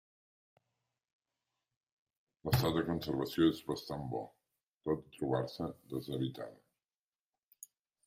L'estat de conservació és bastant bo, tot i trobar-se deshabitada.